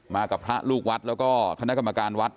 มากับพระลูกวัดแล้วก็คณะกรรมการวัด